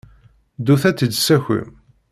Ddut ad tt-id-tessakim.